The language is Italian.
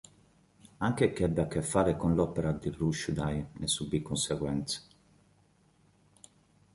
Anche chi ebbe a che fare con l'opera di Rushdie ne subì conseguenze.